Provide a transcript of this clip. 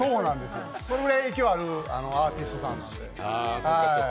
そのぐらい勢いのあるアーティストさんなんで。